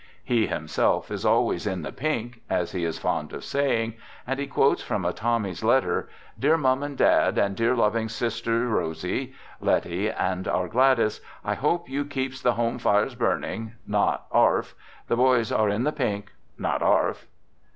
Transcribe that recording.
He himself is always " in the pink," as he is fond of saying, and he quotes from a Tommy's letter: " Dear Mum and Dad, and dear loving sisters Rosie, Letty, and our Gladys. I hope you keeps the home fires burning. Not arf . The boys are in the pink. Not arf